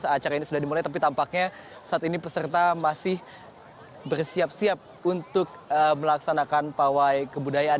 acara ini sudah dimulai tapi tampaknya saat ini peserta masih bersiap siap untuk melaksanakan pawai kebudayaan